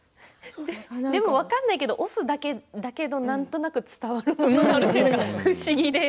でも、分かんないけど「押忍」だけだけどなんとなく伝わるというか不思議で。